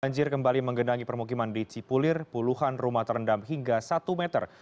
banjir kembali menggenangi permukiman di cipulir puluhan rumah terendam hingga satu meter